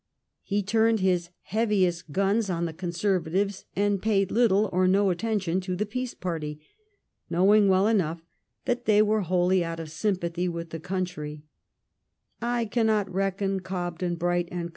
He turned his heaviest guns on the Conservatives, and paid little or no attention to the Peace party, knowing well enough that they were wholly out of sympathy with the country^ •*I cannot reckon Oobden, Bright, and Co.